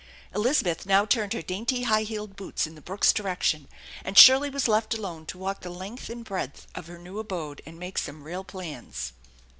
Elizabeth now turned her dainty high heeled boots in the brook's direction, and Shirley was left alone to walk the length and breadth of her new abode and make some real plans.